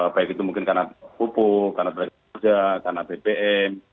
baik itu mungkin karena pupuk karena tenaga kerja karena bbm